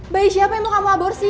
baik siapa yang mau kamu aborsi